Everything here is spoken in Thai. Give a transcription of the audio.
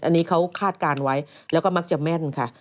อันนี้เขาคาดการณ์ไว้แล้วก็มักจะแม่นค่ะ